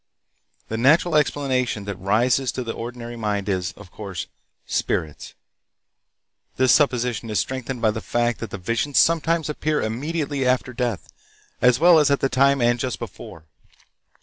The natural explanation that rises to the ordinary mind is, of course, "Spirits." This supposition is strengthened by the fact that the visions sometimes appear immediately after death, as well as at the time and just before.